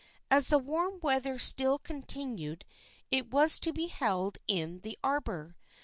As the warm weather still continued it was to be held in the arbor.